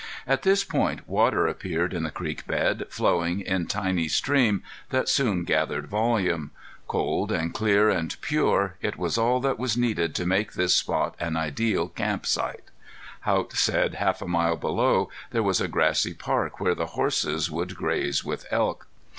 At this point water appeared in the creek bed, flowing in tiny stream that soon gathered volume. Cold and clear and pure it was all that was needed to make this spot an ideal camp site. Haught said half a mile below there was a grassy park where the horses would graze with elk.